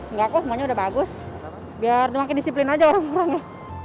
enggak kok semuanya udah bagus biar dimakai disiplin aja orang orangnya